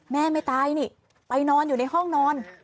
แม่ไม่ตายนี่ไปนอนอยู่ในห้องนอน